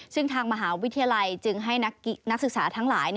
ซึ่งทางมหาวิทยาลัยจึงให้นักศึกษาทั้งหลาย